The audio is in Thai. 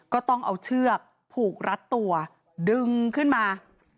ก็ต้องเอาเชือกผูกรัดตัวดึงขึ้นมา